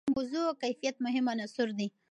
وضوح او کیفیت مهم عناصر دي.